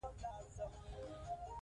آیا شاهانو د هغې غم کړی و؟